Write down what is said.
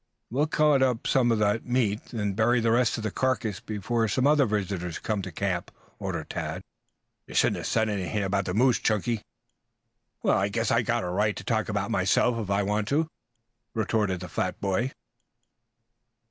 "We will cut up some of that meat, then bury the rest of the carcass before some other visitors come to camp," ordered Tad. "You shouldn't have said anything about the moose, Chunky." "I guess I've got a right to talk about myself if I want to," retorted the fat boy.